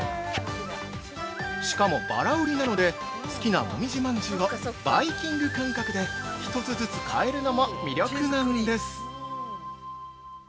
しかもバラ売りなので、好きなもみじ饅頭をバイキング感覚で１つずつ買えるのも魅力なんです。